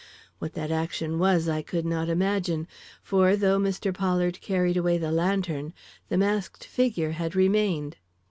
What that action was I could not imagine, for, though Mr. Pollard carried away the lantern, the masked figure had remained.